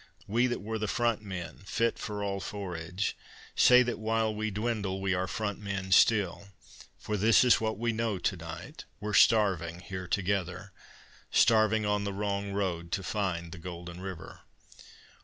We that were the front men, fit for all forage, Say that while we dwindle we are front men still; For this is what we know to night: we're starving here together Starving on the wrong road to find the golden river.